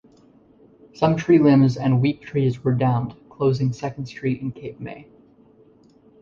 Some tree limbs and weak trees were downed, closing Second Street in Cape May.